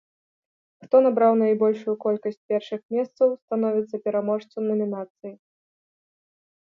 Хто набраў найбольшую колькасць першых месцаў становіцца пераможцам намінацыі.